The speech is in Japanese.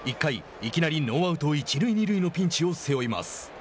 いきなりノーアウト、一塁二塁のピンチを背負います。